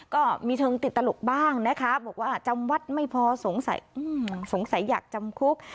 ก็มีเชิงติดตลกบ้างนะคะบอกว่าจำวัดไม่พอสงสัยอยากจำคุก